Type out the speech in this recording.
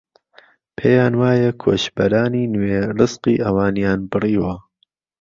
پێیانوایە کۆچبەرانی نوێ رزقی ئەوانیان بڕیوە